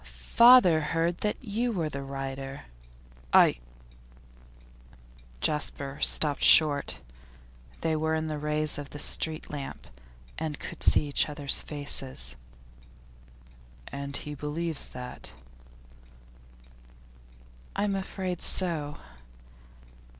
'Father heard that you were the writer.' 'I?' Jasper stopped short. They were in the rays of a street lamp, and could see each other's faces. 'And he believes that?' 'I'm afraid so.